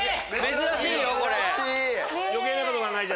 珍しいよこれ。